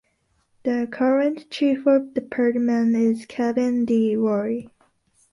The current chief of department is Kevin D. Roy.